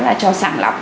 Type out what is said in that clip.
là cho sàng lọc